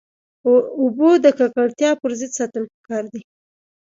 اوبه د ککړتیا پر ضد ساتل پکار دي.